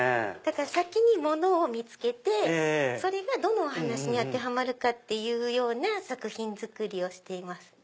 先にものを見つけてそれがどのお話に当てはまるかっていうような作品作りをしています。